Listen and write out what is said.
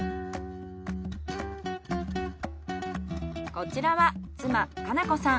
こちらは妻かな子さん。